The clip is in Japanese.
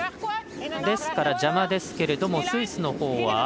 ですから、邪魔ですけれどもスイスのほうは？